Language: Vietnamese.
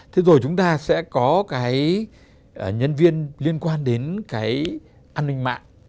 thế rồi chúng ta sẽ có cái nhân viên liên quan đến cái an ninh mạng